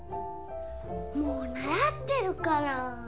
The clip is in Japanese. もう習ってるから。